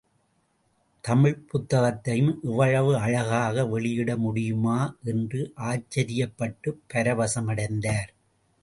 தமிழ்ப் புத்தகத்தையும் இவ்வளவு அழகாக வெளியிட முடியுமா என்று ஆச்சரியப்பட்டுப் பரவசமடைந்தார்.